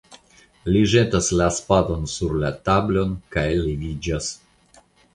Li ĵetas la spadon sur la tablon kaj leviĝas.